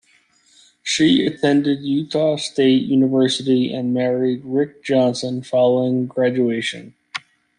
She attended Utah State University and married Rick Johnson following graduation.